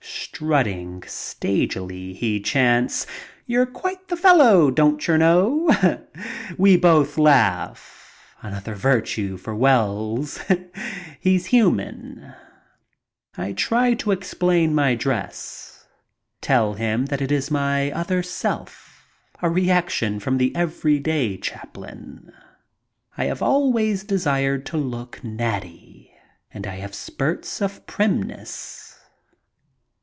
Strutting stagily, he chants, "You're quite the fellow, MEETING BURKE AND WELLS loi doncher know." We both laugh. Another virtue for Wells. He's human. I try to explain my dress. Tell him that it is my other self, a reaction from the everyday Chaplin, I have always desired to look natty and I have spurts of primness.